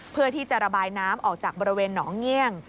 เพื่อที่จะระบายน้ำออกจากบริเวณหนองเงี่ยง